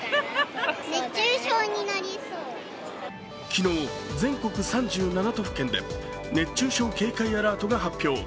昨日、全国３７都府県で熱中症警戒アラートが発表。